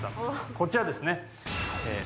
こちらですねええ